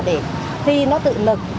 để thi nó tự lực